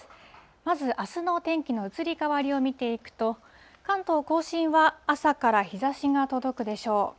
まずあすの天気の移り変わりを見ていくと、関東甲信は、朝から日ざしが届くでしょう。